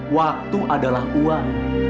waktu adalah uang